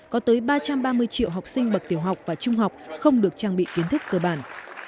có tới ba trăm ba mươi triệu học sinh bậc tiểu học và trung học không được trang bị kiến thức cơ bản